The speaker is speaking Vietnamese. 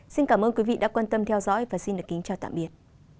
xin cảm ơn quý vị đã quan tâm theo dõi và xin được kính chào tạm biệt